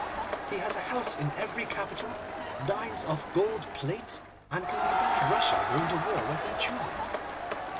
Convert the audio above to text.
He has a house in every capital, dines off gold plate, and can prevent Russia going to war when he chooses.